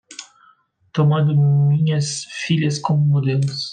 Tomando minhas filhas como modelos